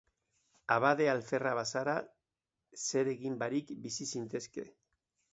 Abade alferra bazara, ezer egin barik bizi zintezke.